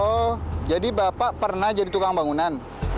oh jadi bapak pernah jadi tukang bangunan